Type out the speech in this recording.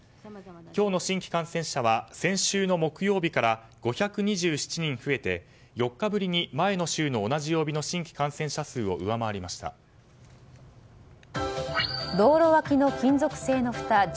今日の新規感染者は先週の木曜日から５２７人増えて４日ぶりに前の週の同じ曜日の新規感染者数を上回りました。